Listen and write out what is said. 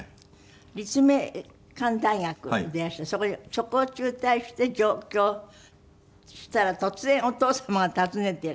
立命館大学でいらしてそこを中退して上京したら突然お父様が訪ねていらした。